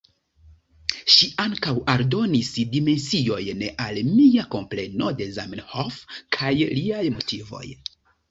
Ŝi ankaŭ aldonis dimensiojn al mia kompreno de Zamenhof kaj liaj motivoj.